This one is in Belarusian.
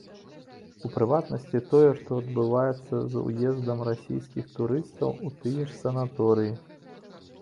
У прыватнасці тое, што адбываецца з уездам расійскіх турыстаў у тыя ж санаторыі.